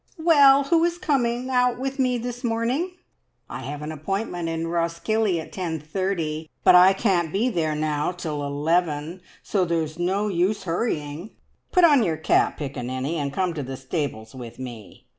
Well, who is coming out with me this morning? I have an appointment in Roskillie at 10:30, but I can't be there now until 11, so there's no use hurrying. Put on your cap, piccaninny, and come to the stables with me.